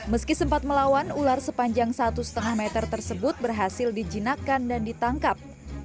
meski sempat melawan ular sepanjang satu lima meter tersebut berhasil dijinakkan dan ditangkap